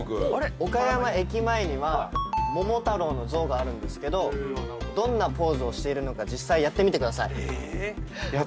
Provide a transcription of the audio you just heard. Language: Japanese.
岡山駅前には桃太郎の像があるんですけどどんなポーズをしているのか実際やってみてください。